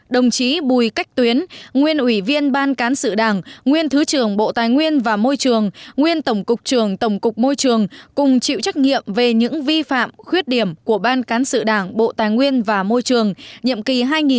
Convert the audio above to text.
đồng chí bùi cách tuyến nguyên ủy viên ban cán sự đảng nguyên thứ trưởng bộ tài nguyên và môi trường nguyên tổng cục trường tổng cục môi trường cùng chịu trách nhiệm về những vi phạm khuyết điểm của ban cán sự đảng bộ tài nguyên và môi trường nhiệm kỳ hai nghìn một mươi sáu hai nghìn một mươi một